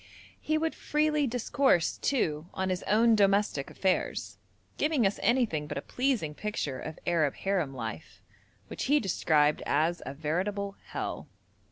He would freely discourse, too, on his own domestic affairs, giving us anything but a pleasing picture of Arab harem life, which he described as 'a veritable hell.'